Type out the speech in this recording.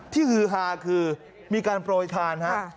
ที่ฮือฮาคือมีการโปรยทานครับ